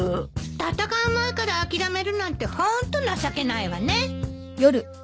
戦う前から諦めるなんてホント情けないわね。